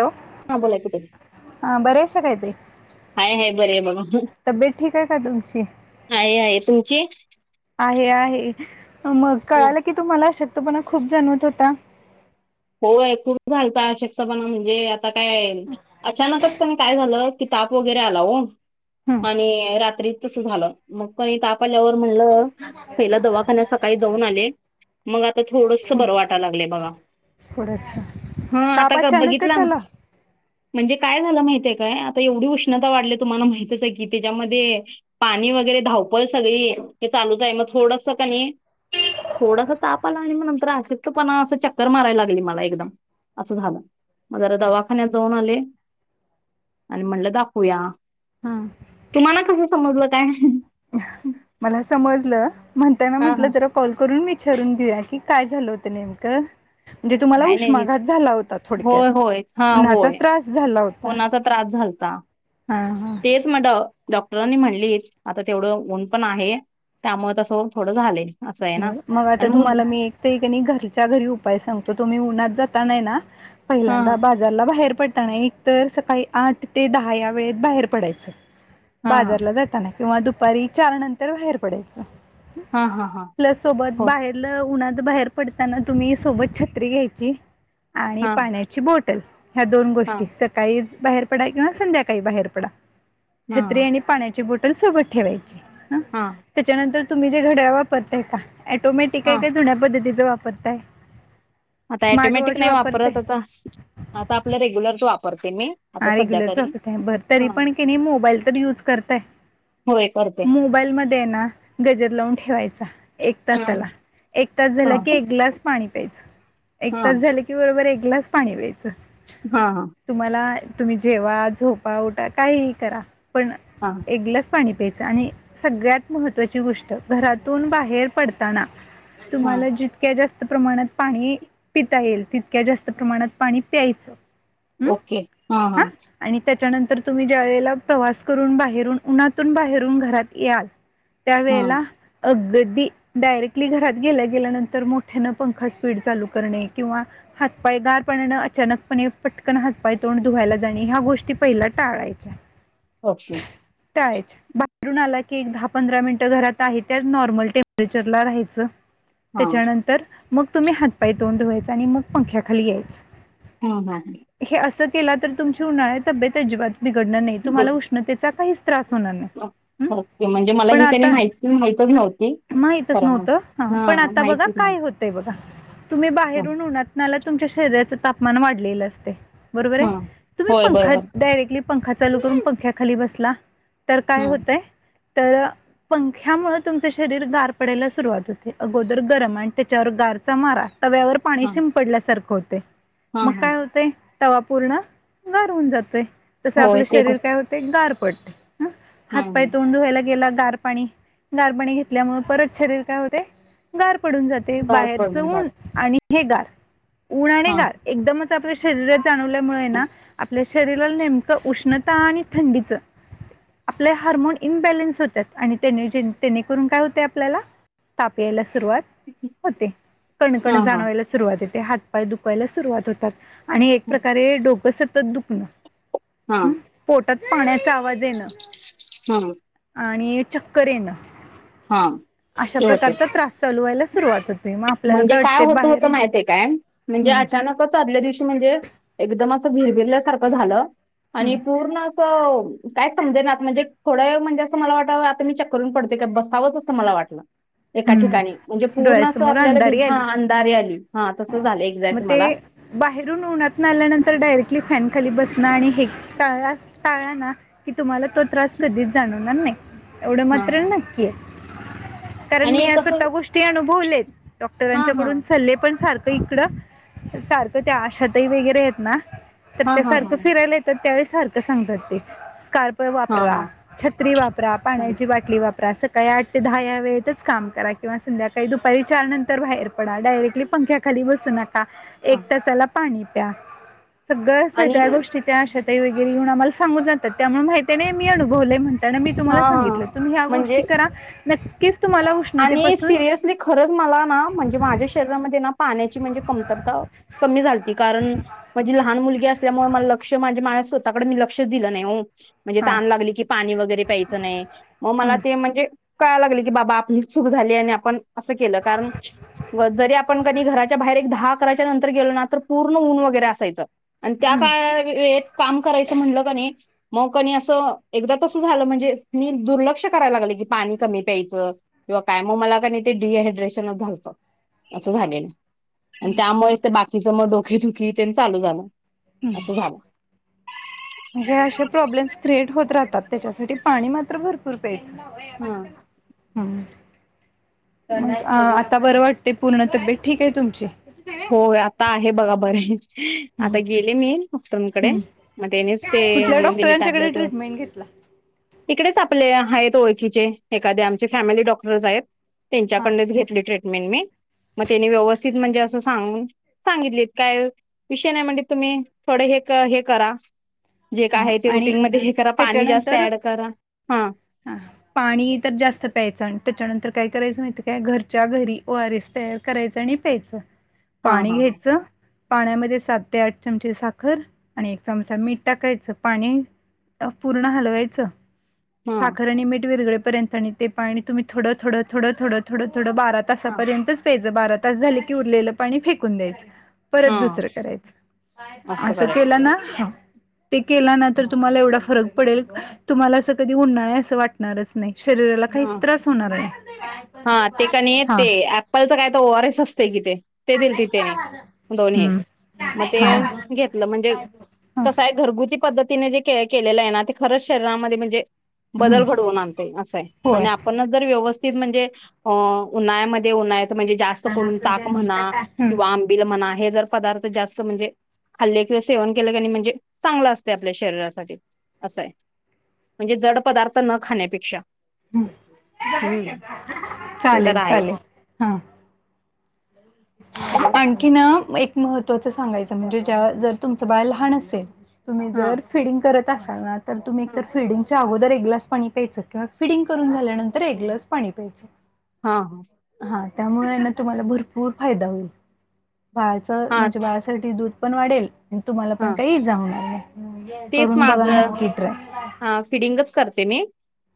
Hello हा बोला की ताई. ह बरे आहेत सगळे ते हाये हाये बर बघा हाये तब्येत ठीक आहे का तुमची हाये आहे तुमची? आहे आहे मग कळालं की तुम्हाला अशक्तपणा खूप जाणवत होता होय खूप झालता अशक्तपणा म्हणजे आता काय अचानकच कनी काय झालं कि ताप वगैरे आला हो हम्म आणि रात्री तसं झालं मग पणी ताप आल्यावर म्हणलं पहिला दवाखान्यात सकाळी जाऊन आले. मग आता थोडस बरं वाटायला लागलंय बघा थोडसं हा आता बघितला ना म्हणजे काय झालं माहितीय काय आता एवढी उष्णता वाढली तुम्हाला माहितच आहे की त्याच्यामध्ये पाणी वगैरे धावपळ सगळी हे चालूच आहे मग थोडंस का नाही थोडासा ताप आला आणि मग नंतर अशक्तपणा असं चक्कर मारायला ला मला एकदम असं झाल मग जरा दवाखान्यात जाऊन आले आणि म्हणलं दाखूया हम्म तुम्हाला कसं समजलं काय मला समजलं म्हणताना हा म्हटलं हा ज कॉल करून विचारून घेऊया की काय झालं होतं नेमकं म्हणजे तुम्हाला काय नाही उष्माघात हेच झाला होता थोडक्यात उन्हाचा त्रास झाला होता उनाचा त्रास झालता हा हा तेच डॉक्टरांनी म्हणली आता तेवढं ऊन पण आहे त्यामुळे तसं थोडं झालंय असं आहे ना बर मग आता आणि मुली तुम्हाला मी ते कनी घरच्या घरी उपाय सांगतो तुम्ही उन्हात जाताना हेना हा पहिल्यांदा बा घरला बाहेर पडताना एक तर सकाळी आठ ते दहा या वेळेत बाहेर पडायचं हा हा बाजारला जाताना किंवा दुपारी चार नंतर बाहेर पडायचं हा हा हा आपल्या सोबत हो बाहेरल, उन्हात बाहेर पडताना तुम्ही सोबत छत्री घ्यायची. आणि हा पाण्याची बॉटल ह्या दोन हा गोष्टीस सकाळीच बाहेर पडा किंवा संध्याकाळी बाहेर पडा. हा छत्री आणि पाण्याची बॉटल. तरी सोबत ठेवायची. हं हा त्याच्यानंतर तुम्ही जे घड्याळ वापरताय. का ऑटोमॅटिक आहे. हा काय जुन्या पद्धतीचं वापरताय. आता स्मार्ट ऑटोमॅटिक वॉच नाही वापरताय वापरत आता, आता आपलं रेग्युलरच वापरते मी. आता हा सध्या रेग्युलरच तरी वापरत आहे. बर, हा तरी पण की नाही, मोबाईल तर युज करताय. होय करते मोबाईल मध्ये आहे. ना गजर लावून ठेवायचा. एक हा तासाला एक तास हा झाला की, एक ग्लास पाणी प्यायचं. एक हा तास झालं की, बरोबर, एक ग्लास पाणी प्यायचं. हा, हा तुम्हाला, तुम्ही जेवा, झोपा, उठा, काहीही करा पण हा एक ग्लास पाणी प्यायचं. आणि सगळ्यात महत्त्वाची गोष्ट घरातून बाहेर पडताना हा तुम्हाला जितक्या जास्त प्रमाणात पाणी पिता येईल. तितक्या जास्त प्रमाणात पाणी प्यायचं. हं. ओके. हा हा आणि त्याच्यानंतर तुम्ही ज्या वेळेला प्रवास करून बाहेरून उन्हातून बाहेरून घरात याल. त्या हा वेळेला अगदी डायरेक्टली घरात गेल्या गेल्यानंतर मोठ्यानं पंखा स्पीड चालू करणे किंवा हात- पाय गार पाण्यानं अचानकपणे पटकन हाल हात- पाय, तोंड धुवायला जाणे, ह्या गोष्टी पहिल्या टाळायच्या. ओके. टाळायचे. बाहेरून आला की, एक दहा- पंधरा मिनिटं घरात आहे. त्याच नॉर्मल टेंपरेचरला राहायचं. हा त्याच्यानंतर मग तुम्ही हात- पाय, तोंड धुवायच. आणि मग पंख्याखाली यायच. हम, हा हे असं केला तर, तुमची उन्हाळ्यात तब्येत अजिबात बिघडणार नाही. तुम्हाला उष्णतेचा काहीच, त्रास होणार नाही. हा. हं? ओके, म्हणजे मला ही आणि माहिती माहितच नव्हती. माहितच खरं नव्हतं. म्हणजे हा पण आता बघा माहितीच काय नव्हती होत. बघा तुम्ही बाहेरून हा उन्हात आलात. तुमच्या शरीराच तापमान वाढलेलं असते. बरोबर आहे. हा. तुम्ही होय पंखा बरोबर डायरेक्टली पंखा चालू करून पंख्याखाली बसला. तर काय हा होतय तर पंख्यामुळे तुमच शरीर गार पडायला सुरुवात होते. अगोदर गरम आणि त्याच्यावर गार, चमारा तव्यावर पाणी हा शिंपडल्यासारखं होते. हा मग हा काय होते. तवा पूर्ण गार होऊन जातोय तस, आपलं होय ते तर शरीर काय होते गार पडते. ह हा हात -पाय हा तोून धुवायला गेला, गार पाणी गार पाणी घेतल्यामुळे परत शरीर काय होते. गार पडून जाते. गार बाहेरच पडून जात ऊन आणि हे गार, ऊन आणि हा गार. एकदमच आपल्या शरीरात जाणवल्यामुळे हा ना, आपल्या शरीराला नेमकं उष्णता आणि थंडीचं. आपले हार्मोन इनबॅलेन्स होतात. आणि तेने, जेने, तेने करून काय होते आपल्याला ताप यायला सुरुवात होते. कणकण हा जाणवायला सुरुवात होेते. हातपाय दुखवायला सुरुवात होतात. आणि हा प्रकारे डोकं सतत दुखणं. हा हं? पोटात पाण्याचा आवाज येणं. हम आणि चक्कर येण, हा आशा ते होते प्रकारचा त्रास चालू व्हायला सुरुवात होते. मग आपल्याला म्हणजे काय वाटते होत होत बाहेरून माहितय काय म्हणजे हं, अचानक त्याचा आदल्या दिवशी म्हणजे एकदम असं भिरभिरल्यासारखं झालं आणि हं. पूर्ण असं तर काय समजे नाच म्हणजे थोडा वेळ म्हणजे असं मला वाटलं आता मी चक्कर येऊन पडतोय का बसावंच असं मला वाटलं एका ठिकाणी म्हणजे हम्म पूर्ण अस डोळ्यासमोर आपल्याला अंधारी हा आली अंधारी आली हा तसं झालंय मग ते बाहेरून उन्हात न आल्यानंतर डायरेक्टली फॅन खाली बसणं आणि हे काळलाच टाळला ना की तुम्हाला तो त्रास कधीच जाणवणार नाही एवढं हा मात्र हा नाही तिये कारण मी आणि ह्या कसं स्वतः गोष्टी अुभवल्यात हा हा डॉक्टरांच्याकडून सल्ले पण सारखं इकडं सारखं त्या आशातही वगैरे आहेत ना तर हा त्या हा हा सारखं फिरायला येतात त्यावेळी सारखं सांगतात ते [unintelligible] हा वापरा हा छत्री वापरा पाण्याची बाट बाटली वापरा सकाळी आठ ते दहा या वेळेतच काम करा किंवा संध्याकाळी दुपारी चारनंतर बाहेर पडा डायरेक्टली पंख्या खाली बसू नका, हा एक तासाला पाणी प्या सगळ स आणि त्या गोष्टी त्या आशाताई वगैरे येऊन आम्हाला सांगून जातात त्यामुळे माहिती नाही मी अनुवले म्हण त्यांना मी हा तुम्हाला हा सांगितलं तुम्ही ह्या गोष्टी म्हणजे करा नक्कीच तुम्हाला [unintelligible] आणि सिरियसली खरंच मला ना म्हणजे माझ्या शरीरामधेना पाण्याची म्हणजे कमतरता कमी झालती, कारण माझी लहान मुलगी अस तर मग मला लक्ष म्हणजे माझ्या स्वतःकडे मी लक्षच दिलं नाही म्हण म्हणजे हा तहान लागली की पाणी वगैरे प्यायच नाही मग मला ते म्हणजे कळायला लागलं की बाबा आपण चूक झाली आणि आपण असं केलं कारण जरी आपण कधी घराच्या बाहेर एक दहा अकराच्या नंतर गेलो ना तर पूर्ण ऊन वगैरे असायचं आणि त्या काय एक काम करायचं म्हणलं का नाही मग कोणी असं एकदा तसं झालं म्हणजे मी दुर्लक्ष करायला लागलं की पाणी कमी प्यायचं किंवा कायम म मला का नाही ते डिहायड्रेशनच झालतं असं झालेलं आणि त्यामुळेच तर बाकीच मग डोके दुखी त्यांना चालू झालं असं झालं हे असे प्रॉब्लेम्स क्रिएट होत राहतात त्याच्यासाठी पाणी मात्र भर हा [unintelligible] हम्म पण आता बरं वाटतय पूर्ण तब्येत ठीक आहे तुमची होय आता आहे बघा बरी आता गेले मी डॉक्टरानकडे मग त्यानेच ते कुठल्या लिहून दिले डॉक्टरांच्याकडे टॅब्लेट ट्रीटमेंट घेतला. इकडेच आपले आहेत ओळखीचे एखादे आमचे फॅमिली डॉक्टर्स आहेत. हा त्यांच्याकडनच घेतली ट्रेंटमेन्ट मी मग तेनी व्यवथित म्हणजे अस सांगून सांगितलेत काय विषय नाही म्हणजे तुम्ही थोडं हे कर हे करा जे काय हा आहे ते आणि रुटीनमध्ये हे करा, पाणी जास्त त्याच्यानंतर ऍड करा हा हा. पाणी तर जास्त प्यायचं आणि त्याच्यानंतर काय करायचं माहिती काय घरच्या घरी ओ आर एस तयार करायचं आणि प्यायचं. हा पाणी हा घ्यायचं पाण्यामध्ये सात ते आठ चमचे साखर आणि एक चमचा मीठ टाकायचं पाणी पूर्ण हलवायचं. हा साखर आणि मीठ विरागळे पर्यंत आणि ते पाणी तुम्ही थोडं, थोडं, थोड, थोडं, थोड, थोडं बारा हा तासापर्यंतच प्यायच, बारा तास झाले की उरलेलं पाणी फेकून द्यायच परत हा दुसरं करायचं असं केलं ना ते केल्यानंतर तुम्हाला एवढा फरक पडेल तुम्हाला असं कधी उन्हाळा आहे असं वाट णारच नाही शरीराला काहीच ह त्रास होणार नाही. हा. कालच काय तर ओ आर एस असतेय कि ते ते दिलते त्यांनी दोन्ही हम्म मग ते हा घेतलं म्हणजे हा कस हाय घरगुती पद्धतीने जे केले केलेलं आहे ना ते खरंच शरीरामध्ये म्हणजे हम्म बदल घडवून आणते असंय होय आणि आ जर व्यवस्थित म्हणजे अह उन्हाळ्यामध्ये उन्हाळ्याच म्हणजे जा जास्त करून ताक म्हणा हम्म किंवा आंबिल म्हणा हे जर पदार्थ जास्त म्हणजे खाल्ले किंवा सेवन केलं कनय म्हणजे चांगलं असतय आपल्या शरीरासाठी असं आहे. म्हणजे जड पदार्थ न खाण्यापेक्षा. हम्म ते तर चालेल चालेल आहेच हा. हॅलो. आणखीन एक महत्त्वाचं सांगायचं म्हणजे जेव्हा जर तुमचं बाळ लहान असेल तुम्ही हा जर फिडिंग करत असाल ना तर तुम्ही एक हा तर फिडिंग च्या अगोदर एक ग्लास पाणी प्यायचं किंवा फिडिंग करून झाल्यानंतर एक ग्लास पाणी प्यायचं. हा हा. हा त्यामुळेना तुम्हाला भरपूर फायदा होईल बाळाचा हा म्हणजे बाळासाठी दूध पण वाढेल तुम्हाला पण हा काही इजा होणार नाही तेच करून बघा माझं नक्की ट्राय. हा फिडिंगच करते मी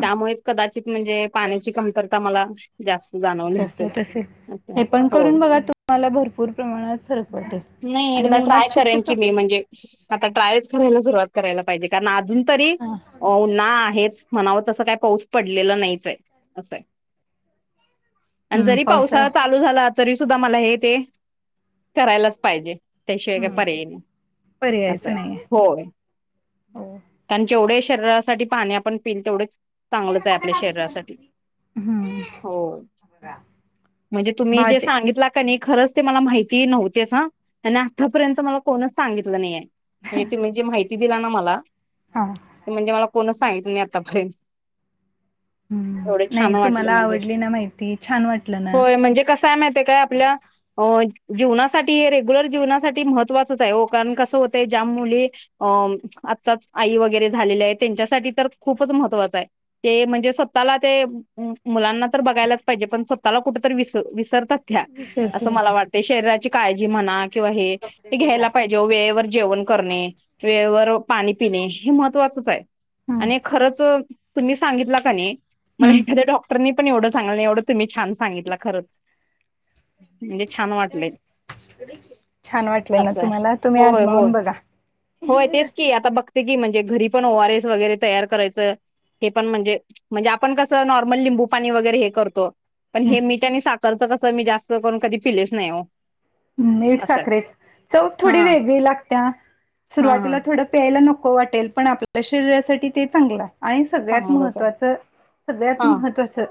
त्यामुळेच कदाचित म्हणजे पाण्याची कमतरता मला जास्त जाणवल. जास्त असेल हे पण करून बघा तुम्हाला भरपूर प्रमाणात फरक वाटेल. नाही आणि एकदा ट्राय उन्हात केन शक्यतो की मी म्हणजे आता ट्रायच करायला सुरुवात करायला पाहिजे कारण अजून तरी हा उन्हाळा आहेच. म्हणाव तसं काय पाऊस पडलेला नाहीच आहे असंय. आणि जरी पावसाळा चाल चालू झाला तरी सुद्धा मला हे ते करायलाच पाहिजे. त्याशिवायकाय हम्म पर्याय नाही पर्यायच असं आहे नाही होय. हो. कारण जेवढे शरीरासाठी पाणी आपण पिल तेवढे चांगलंच आहे आपल्या शरीरासाठी. हम्म हो म्हणजे तुम्ही जे भाते सांगितला का नाही खरंच ते मला माहिती नव्हते अस त्या आतापर्यंत मला कोणच सांगितलं नाहीय. हे ते म्हणजे माहिती दिला ना मला हा ते म्हणजे मला कोणच सांगितल नाही आतापर्यंत. [inaudible] एवढे छान नाही वाटले तुम्हाला म्हणजे आवडली ना माहिती छान वाटलं ना होय म्हणजे कसाय माहितेय काय आपल्या. अ जीवनासाठी रेग्युलर जीवनासाठी महत्त्वाचच आहे. हो कारण कसं होतय ज्या मुली. अ आत्ताच आई वगैरे झालेली आहे. त्यांच्यासाठी तर खूपच महत्त्वाचं आहे. ते म्हणजे स्वतःला ते मुलांना तर बघायलाच पाहिजे पण स्वतःला कुठ तरी विस विस तर सध्या अस विसरतोय मला आपण वाट शरीराची काळजी म्हणा किंवा हे हे घ्यायला पाहिजे जेव वेळेवर जेवण करणे वेळेवर पाणी पिणे हे महत्त्वाचंच आहे. हम्म आणि खरच तुम्ही सांगितला का नाही मला हम्म एखाद्या डॉक्टरनी पण एवढं चांगल एवढं तुम्ही छान सांगितलं खरच. म्हणजे छान वाटले छान वाटलं ना असंय तुम्हाला तुम्ही होय होय. आजमावून बघा होय तेच की, आता बघते की, म्हणजे घरी पण ओआर एस वगैरे तयार करायचं हे पण म्हणजे म्हणजे आपण कसं नॉर्मल लिंबू पाणी वगैरे हे करतो. पण हे मीठ आणि साखरचं कसं मी जास्त करून कधी पिलेच नाही हो मीठ असं आहे. साखरेच चव थोडी हा वेगळी लागत हा हा सुरुवातीला थोड प्यायला नको वाटेल पण आपल्या शरीरासाठी ते चांगलं हाय. आणि सगळ्यात चांगलंच आहे महत्त्वाचं सगळ्यात हा महत्त्वाचं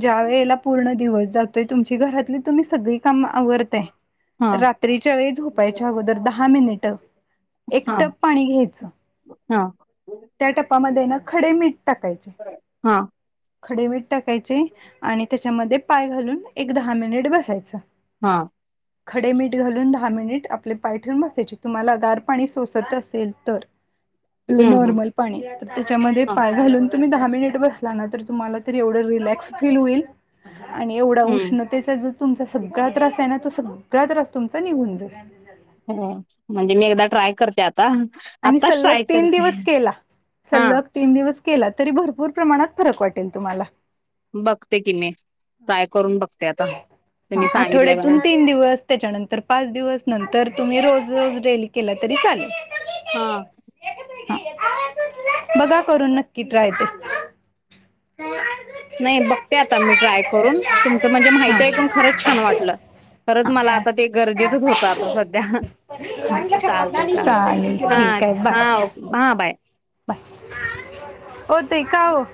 ज्या वेळेला पूर्ण दिवस जातोय तुमची घरातली तुम्ही सगळी काम आवरताय हा रात्रीच्या वेळी झोपायच्या अगोदर दहा मिनिट एक हा टप पाणी घ्यायचं. हा. त्या ट्पामध्ये ना खडे मीठ टाकायच हा खडे मीठ टाकायचे आणि त्याच्यामध्ये पाय घालून एक दहा मिनिट बसायचं. हा खडे मीठ घालून दहा मिनिट आपले पाय ठेवून बसायचे तुम्हाला गार पाणी सोसत असेल तर हम्म हम्म नॉर्मल. पाणी त्याच्यामध्ये हा पाय घालून तुम्ही दहा मिनिट बसला ना तर तुम्हाला त एवढ रिलॅक्स फील होईल आणि एवढा हम्म. उष्ण, त्याचा जो तुमचा सगळा त्रासे ना, तो सगळा त्रास तुमचा निघून जाईल. हो म्हणजे मी एकदा ट्राय करते, आ ता, आणि आताच सलग ट्राय तीन करते, दिवस केला हा. सलग तीन दिवस केला, तरी भरपूर प्रमाणात फरक वाटेल तुम्हाला. बघते कि मी, ट्राय करून बघते आता, हा तुम्ही सांगितलेय, ब आठवड्यातून तीन दिवस. त्याच्यानंतर पाच दिवस, नंतर तुम्ही रोज रोज डेली केला तरी चालेल. ह. ह बघा करून नक्की ट्राय ते. हा. नाही बघते आता मी ट्राय करून, तुमचं म्हणजे माहिती ऐकून खरंच छान वाटलं. खरंच मला आता ते गरजेचंच होतं, आता सध्या. हा चालते चालते, चालेल हा, ठीक आहे हा, बाय ओके हां बाय. ओ ते का ओ?